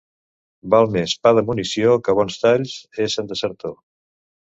Val més pa de munició que bons talls, essent desertor.